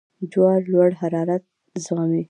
جوار لوړ حرارت زغمي.